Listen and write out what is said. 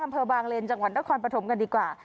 อำเภอบางเลนจังหวัดนครปฐมกันดีกว่า